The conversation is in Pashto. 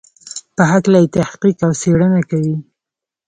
په هکله یې تحقیق او څېړنه کوي.